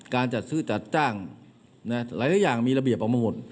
การจัดซื้อจัดจ้างหลายอย่างมีระเบียบออกมาหมด